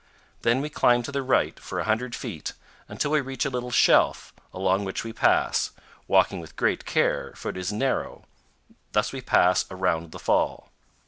Then we climb to the right for a hundred feet until we reach a little shelf, along which we pass, walking with great care, for it is narrow; thus we pass around the fall.